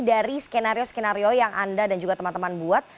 dari skenario skenario yang anda dan juga teman teman buat